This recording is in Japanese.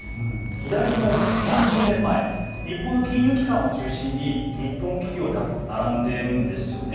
左の３０年前日本の金融機関を中心に日本企業が並んでいるんですよね。